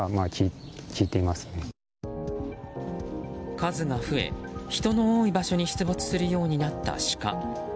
数が増え、人の多い場所に出没するようになったシカ。